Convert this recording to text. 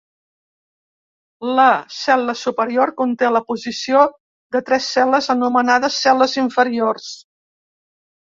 La cel·la superior conté la posició de tres cel·les anomenades "cel·les inferiors".